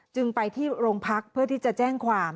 จึงไปที่โรงพักเพื่อที่จะแจ้งความ